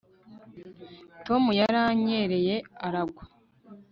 tom yaranyereye aragwa